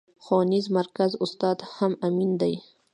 ښوونيز مرکز استاد هم امين دی.